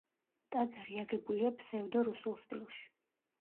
ტაძარი აგებულია ფსევდორუსულ სტილში.